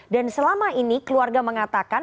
dan selama ini keluarga mengatakan